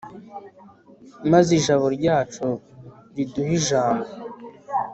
maze ijabo ryacu riduhe ijambo